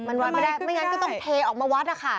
มันวัดไม่ได้ไม่งั้นก็ต้องเทออกมาวัดนะคะ